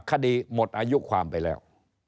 คดีหมดอายุความไปแล้ว